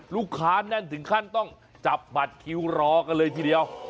แน่นถึงขั้นต้องจับบัตรคิวรอกันเลยทีเดียว